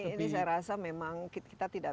ini saya rasa memang kita tidak